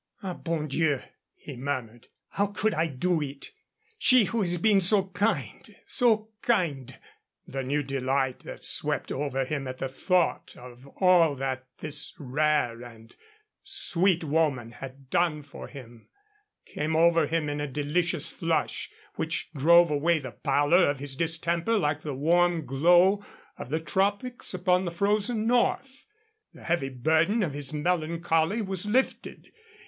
"Ah, bon Dieu!" he murmured; "how could I do it! She who has been so kind so kind." The new delight that swept over him at the thought of all that this rare, sweet woman had done for him came over him in a delicious flush, which drove away the pallor of his distemper like the warm glow of the tropics upon the frozen north. The heavy burden of his melancholy was lifted.